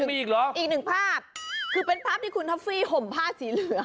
มีอีกเหรออีกหนึ่งภาพคือเป็นภาพที่คุณท็อฟฟี่ห่มผ้าสีเหลือง